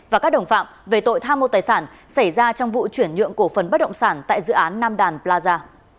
và các đồng phạm về tội tham mô tài sản xảy ra trong vụ chuyển nhượng cổ phần bất động sản tại dự án nam đàn plaza